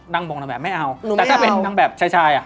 ดังบ่งแบบไม่เอา